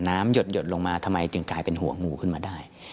หยดลงมาทำไมจึงกลายเป็นหัวงูขึ้นมาได้